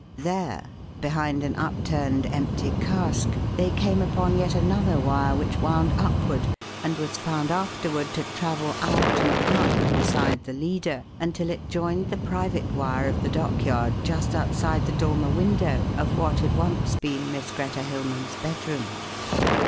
There, behind an upturned empty cask, they came upon yet another wire, which wound upward, and was found afterward to travel out and up beside the "leader" until it joined the private wire of the dockyard just outside the dormer window of what had once been Miss Greta Hilmann's bedroom.